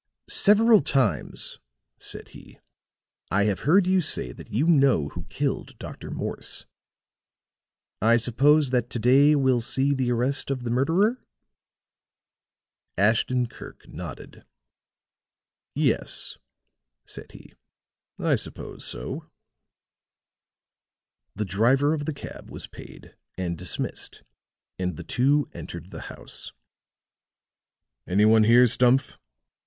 "Several times," said he, "I have heard you say that you know who killed Dr. Morse. I suppose that to day will see the arrest of the murderer." Ashton Kirk nodded. "Yes," said he, "I suppose so." The driver of the cab was paid and dismissed and the two entered the house. "Any one here, Stumph?"